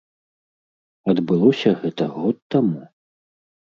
Адбылося гэта год таму.